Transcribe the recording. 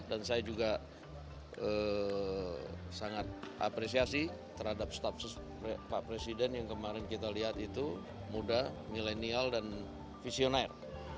dan saya juga sangat apresiasi terhadap staff pak presiden yang kemarin kita lihat itu muda milenial dan visioner